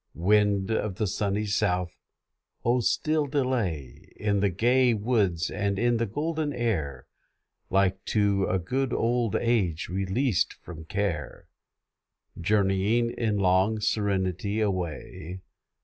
Wind of the sunny south! oh still delay, In the gay woods and in the golden air, Like to a good old age released from care, Journeying, in long serenity, away.